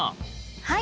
はい。